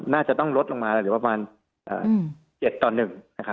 น่าจะต้องลดลงมาประมาณ๗ตอนหนึ่ง